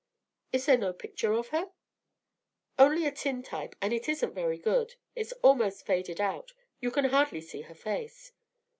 "Is there no picture of her?" "Only a tin type, and it isn't very good. It's almost faded out; you can hardly see the face."